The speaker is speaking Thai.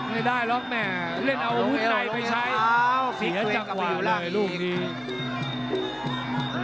ไม่ได้หรอกแม่เห็นเอาหึดใดไปใช้สีระจางวายเลยถูกดี